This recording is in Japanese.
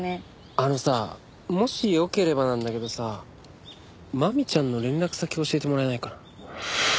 あのさもしよければなんだけどさマミちゃんの連絡先教えてもらえないかな？